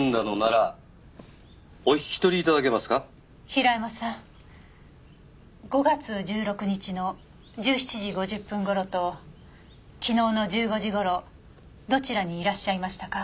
平山さん５月１６日の１７時５０分頃と昨日の１５時頃どちらにいらっしゃいましたか？